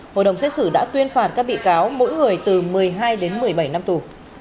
hội đồng xét xử đã tuyên phạt các bị cáo mỗi người từ một mươi hai đến một mươi bảy năm tù